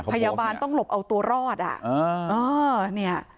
พยาบาลต้องหลบเอาตัวรอดอ่ะ